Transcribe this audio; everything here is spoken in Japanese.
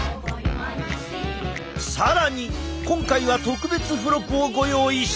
更に今回は特別付録をご用意した！